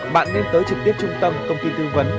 bạn nên tới trực tiếp trung tâm công ty tư vấn